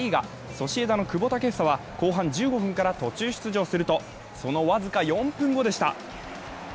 ソシエダの久保建英は後半１５分から途中出場するとその僅か４分後でした。